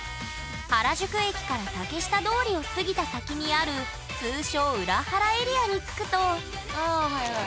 原宿駅から竹下通りを過ぎた先にある通称裏原エリアに着くとあはいはい。